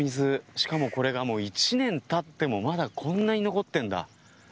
しかもこれが１年たってもまだこんなに残ってるんだ。